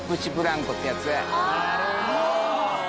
なるほど！